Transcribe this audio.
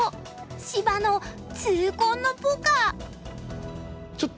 芝野痛恨のポカ。